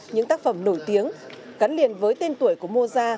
những tác phẩm nổi tiếng gắn liền với tên tuổi của moza